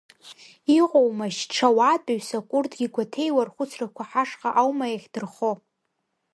Иҟоумашь ҽа уаатәыҩсак, урҭгьы гәаҭеиуа, рхәыцрақәа ҳашҟа аума иахьдырхо?